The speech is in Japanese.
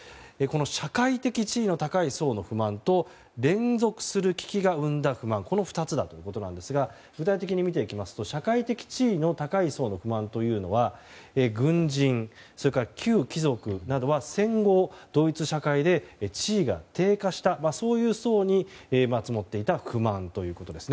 社会的地位の高い層の不満と連続する危機が生んだ不満の２つだということですが具体的に見ていきますと社会的に地位の高い層の不満というのは軍人、それから旧貴族などは戦後ドイツ社会で地位が低下した、そういう層に積もっていた不満ということです。